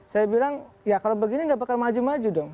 saya bilang ya kalau begini nggak bakal maju maju dong